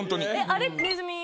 あれ。